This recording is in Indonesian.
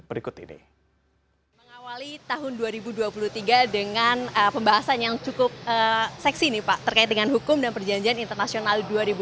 mengawali tahun dua ribu dua puluh tiga dengan pembahasan yang cukup seksi terkait dengan hukum dan perjanjian internasional